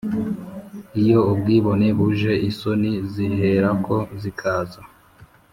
iyo ubwibone buje isoni ziherako zikaza,